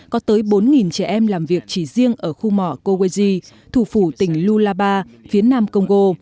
có tới bốn trẻ em làm việc chỉ riêng ở khu mỏ koweji thủ phủ tỉnh lulaba phía nam công gô